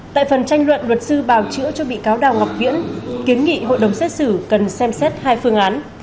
tại phần tranh luận luật sư bào chữa cho bị cáo đào ngọc viễn kiến nghị hội đồng xét xử cần xem xét hai phương án